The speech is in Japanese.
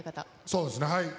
そうですね。